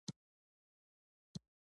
د افغانستان هره سیمه سره تبۍ شوه.